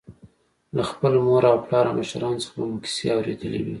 له خپل مور او پلار او مشرانو څخه به مو کیسې اورېدلې وي.